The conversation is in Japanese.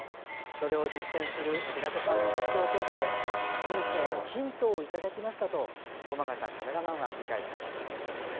それを実践する白戸さんの活動を通して人生のヒントをいただきましたと駒形カメラマンは振り返っています。